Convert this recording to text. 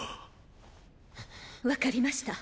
分かりました。